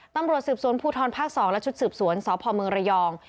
ตำรวจสืบสวนภูทรภาค๒และชุดสืบสวนสพเมืองระยอง